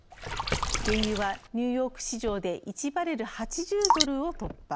原油はニューヨーク市場で１バレル８０ドルを突破。